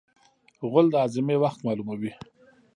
غول د هاضمې وخت معلوموي.